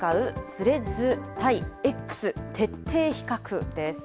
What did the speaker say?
スレッズＶＳ．Ｘ徹底比較です。